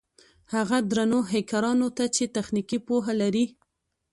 هغو درنو هېکرانو ته چې تخنيکي پوهه لري.